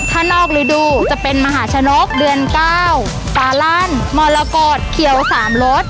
ถ้านอกฤดูจะเป็นมหาชนกเดือน๙ฟาลั่นมรกฏเขียว๓รส